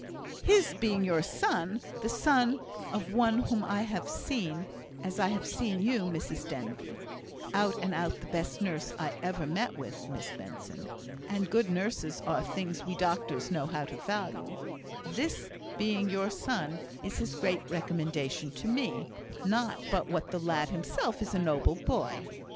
"His being your son the son of one whom I have seen as I have seen you, Mrs Denbigh (out and out the best nurse I ever met with, Miss Benson; and good nurses are things we doctors know how to value) his being your son is his great recommendation to me; not but what the lad himself is a noble boy.